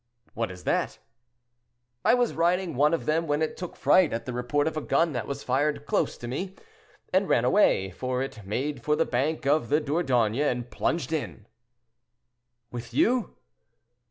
"What is that?" "I was riding one of them when it took fright at the report of a gun that was fired close to me, and ran away; it made for the bank of the Dordogne and plunged in." "With you?"